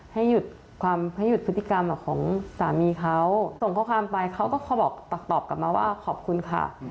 ให้หยุดพฤติกรรมของสามีเขาส่งข้อความไปเขาก็ตอบกลับมาว่าขอบคุณค่ะ